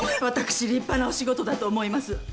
私立派なお仕事だと思います。